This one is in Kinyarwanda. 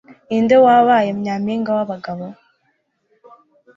Ninde wabaye nyampinga w’abagabo?